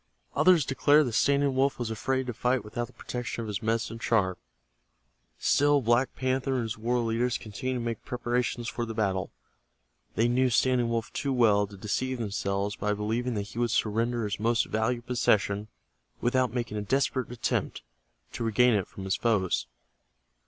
Others declared that Standing Wolf was afraid to fight without the protection of his medicine charm. Still Black Panther and his war leaders continued to make preparations for the battle. They knew Standing Wolf too well to deceive themselves by believing that he would surrender his most valued possession without making a desperate attempt to regain it from his foes.